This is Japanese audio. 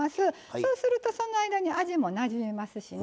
そうするとその間に味もなじみますしね。